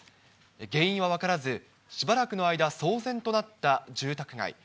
原因は分からず、しばらくの間、騒然となった住宅街。